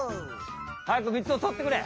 はやくみつを取ってくれ！